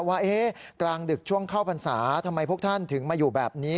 ว่ากลางดึกช่วงเข้าพรรษาทำไมพวกท่านถึงมาอยู่แบบนี้